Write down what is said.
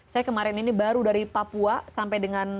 saya kemarin ini baru dari papua sampai dengan